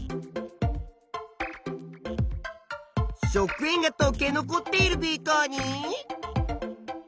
食塩がとけ残っているビーカーに。